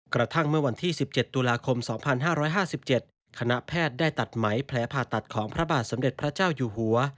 กระทั่งเมื่อวันที่๑๗ตุลาคม๒๕๕๗คณะแพทย์ได้ตัดไหมแผลผ่าตัดของพระบาทสมเด็จพระเจ้าอยู่หัว